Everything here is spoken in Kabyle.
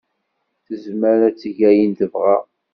Tezmer ad teg ayen tebɣa.